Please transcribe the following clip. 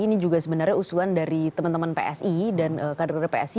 ini juga sebenarnya usulan dari teman teman psi dan kader kader psi